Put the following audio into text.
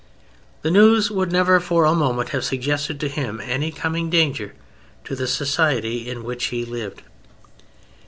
The news would never for a moment have suggested to him any coming danger to the society in which he lived.